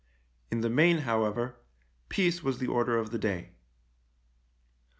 In the main, however, peace was the order of the day.